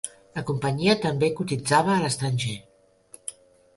La companyia també cotitzava a l'estranger.